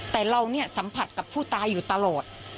แต่เราเนี่ยสัมผัสกับผู้ตายอยู่ตลอด